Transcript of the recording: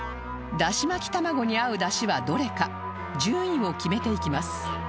ダシ巻き玉子に合うダシはどれか順位を決めていきます